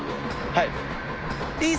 はい。